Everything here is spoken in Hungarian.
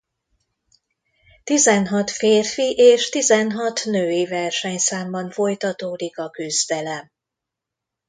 Tizenhat férfi és tizenhat női versenyszámban folytatódik a küzdelem.